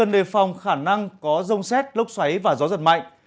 đề phòng khả năng có rông xét lốc xoáy và gió giật mạnh